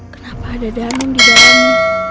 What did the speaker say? kenapa ada danung di dalamnya